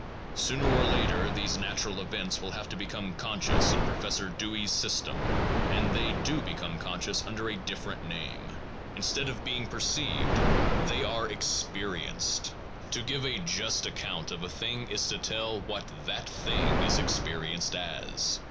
Sooner or later, these natural events will have to become conscious in Professor Dewey's system, and they do become conscious under a different name; instead of being perceived they are experienced: to give a just 428 THE PHILOSOPHICAL REVIEW. [Vol. XXI. account of a thing is to tell what that thing is experienced as.